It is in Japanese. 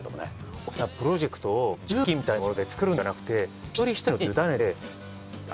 大きなプロジェクトを重機みたいなもので作るんではなくて１人１人の手に委ねて。